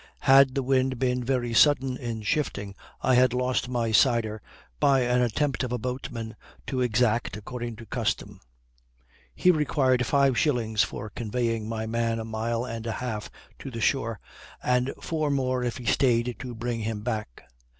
Had the wind been very sudden in shifting, I had lost my cider by an attempt of a boatman to exact, according to custom. He required five shillings for conveying my man a mile and a half to the shore, and four more if he stayed to bring him back.